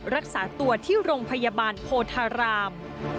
รักษาตัวที่โรงพยาบาลโพธาราม